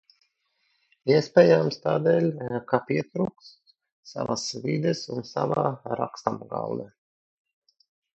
Iespējams, tādēļ, ka pietrūkst savas vides un sava rakstāmgalda.